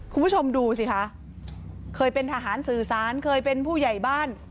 คุณผู้ชมดูสิคะเคยเป็นทหารสื่อสารเคยเป็นผู้ใหญ่บ้าน